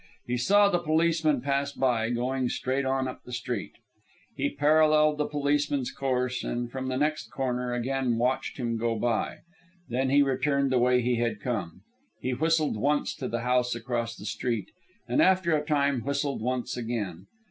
He saw the policeman pass by, going straight on up the street. He paralleled the policeman's course, and from the next corner again watched him go by; then he returned the way he had come. He whistled once to the house across the street, and after a time whistled once again.